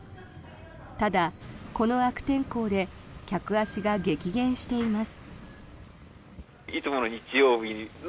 ただ、この悪天候で客足が激減しています。